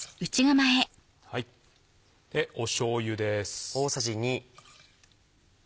しょうゆです。